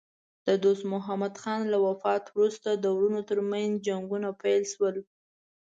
د دوست محمد خان له وفات وروسته د وروڼو ترمنځ جنګونه پیل شول.